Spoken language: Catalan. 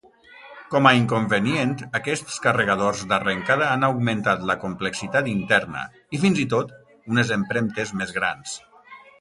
Com a inconvenient, aquests carregadors d'arrencada han augmentat la complexitat interna, i fins i tot, unes empremtes més grans.